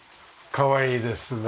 かわいいですね。